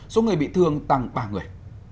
số người bị thương tăng ba người